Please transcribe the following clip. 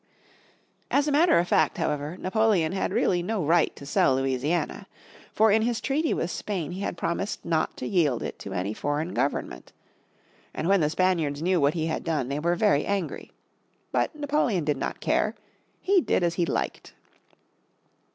As a matter of fact, however, Napoleon had really no right to sell Louisiana. For in his treaty with Spain he had promised not to yield it to any foreign government. And when the Spaniards knew what he had done they were very angry. But Napoleon did not care; he did as he liked.